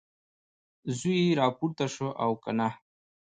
زوی یې راپورته شوی او که نه؟